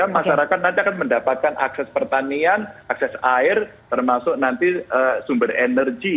masyarakat nanti akan mendapatkan akses pertanian akses air termasuk nanti sumber energi